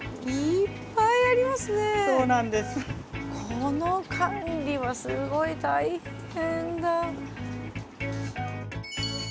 この管理はすごい大変だ。